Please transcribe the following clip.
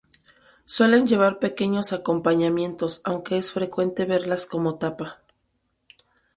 Suelen llevar pequeños acompañamientos, aunque es frecuente verlas como tapa.